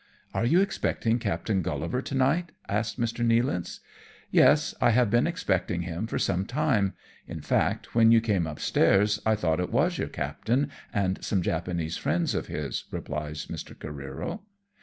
" Are you expecting Captain GuUivar to night ?" asks Mr. Nealance. " Yes, I have been expecting him for some time ; in fact when you came upstairs I thought it was your captain and some Japanese friends of his," replies Mr. Careero.